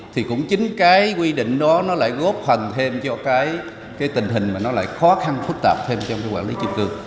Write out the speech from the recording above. thì cũng chính cái quy định đó nó lại góp hành thêm cho cái tình hình mà nó lại khó khăn phức tạp thêm trong cái quản lý chung cư